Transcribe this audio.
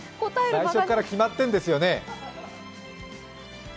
最初から決まってるんですよね？